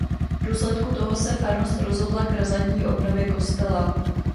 V důsledku toho se farnost rozhodla k razantní obnově kostela.